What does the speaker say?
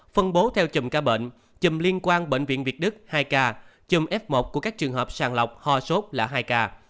phân bố theo chùm ca bệnh chùm liên quan bệnh viện việt đức hai ca chùm f một của các trường hợp sàng lọc ho sốt là hai ca